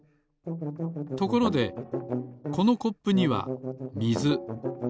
ところでこのコップにはみず。